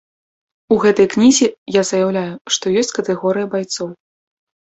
У гэтай кнізе я заяўляю, што ёсць катэгорыя байцоў.